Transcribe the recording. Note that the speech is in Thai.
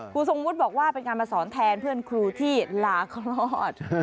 ทรงวุฒิบอกว่าเป็นการมาสอนแทนเพื่อนครูที่ลาคลอด